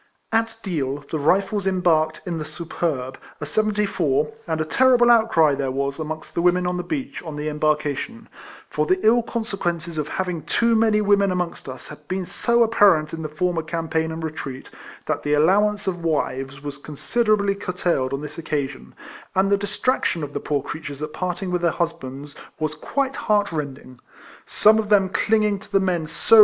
At Deal, the Rifles embarked in the Su perb, a seventy four, and a terrible outcry there was amongst the women upon the beach on the embarkation ; for the ill consequences of having too many women amongst us had been so apparent in our former campaign and retreat > that the allowance of wives was considerably curtailed on this occasion, and the distraction of the poor creatures at part ing with their husbands was quite heart rending; some of them clinging to the men so RIFLEMAN HARRIS.